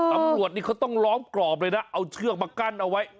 ตำรวจนี่เขาต้องล้อมกรอบเลยนะเอาเชือกมากั้นเอาไว้